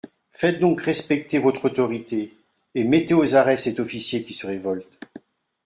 Faites-donc respecter votre autorité, et mettez aux arrêts cet officier qui se révolte.